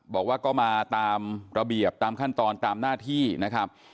บอกว่าก็มาตามระเบียบตามขั้นตอนตามหน้าที่นะครับ